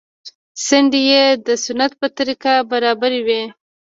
څنډې يې د سنت په طريقه برابرې وې.